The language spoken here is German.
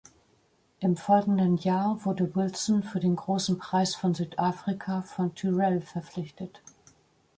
Im folgenden Jahr wurde Wilson für den Großen Preis von Südafrika von Tyrrell verpflichtet.